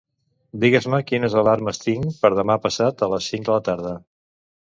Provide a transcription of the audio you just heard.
Digues-me quines alarmes tinc per demà passat a les cinc de la tarda.